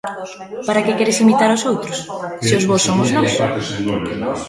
Para que queredes imitar os outros, se os bos somos nós?